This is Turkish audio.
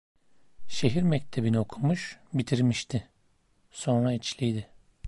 Şehir mektebini okumuş, bitirmişti; sonra içliydi…